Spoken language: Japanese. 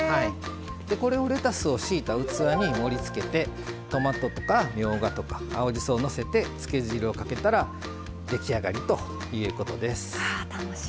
これをレタスを敷いた器に盛りつけてトマトとか、みょうがとか青じそをのせてつけ汁をかけたら出来上がりということです。